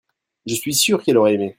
je suis sûr qu'elle aurait aimé.